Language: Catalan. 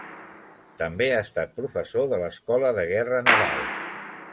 També ha estat professor de l'Escola de Guerra Naval.